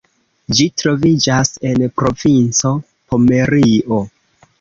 Ĝi troviĝas en provinco Pomerio.